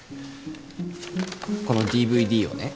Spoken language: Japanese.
このＤＶＤをね